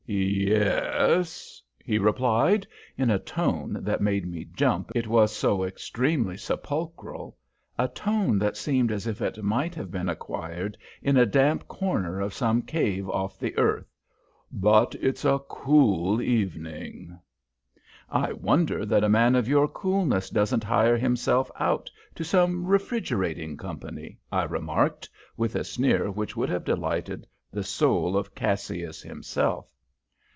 "Yes," he replied, in a tone that made me jump, it was so extremely sepulchral a tone that seemed as if it might have been acquired in a damp corner of some cave off the earth. "But it's a cool evening." "I wonder that a man of your coolness doesn't hire himself out to some refrigerating company," I remarked, with a sneer which would have delighted the soul of Cassius himself.